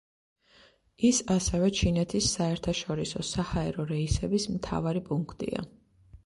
ის ასევე ჩინეთის საერთაშორისო საჰაერო რეისების მთავარი პუნქტია.